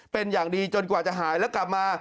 เป็นอย่างดีจนกว่าจะหายแล้วกลับมา